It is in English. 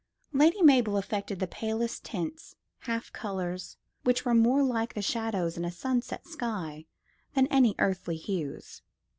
Lady Mabel affected the palest tints, half colours, which were more like the shadows in a sunset sky than any earthly hues.